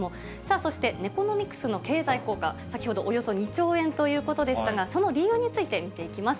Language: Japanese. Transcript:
そしてネコノミクスの経済効果、先ほどおよそ２兆円ということでしたが、その理由について見ていきます。